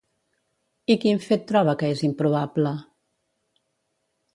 I quin fet troba que és improbable?